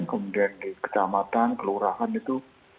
kemudian di kecamatan kelurahan itu